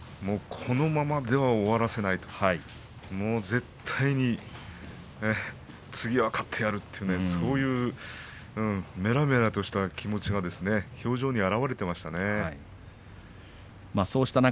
このままでは終わらせない次は勝ってやるそういうめらめらとした気持ちが表情に現れていましたね。